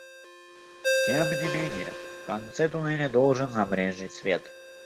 Тем не менее в конце туннеля должен забрезжить свет.